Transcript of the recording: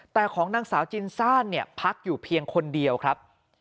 แต่ของนักศาวจีนซ่านพักอยู่เพียงคนเดียวครับ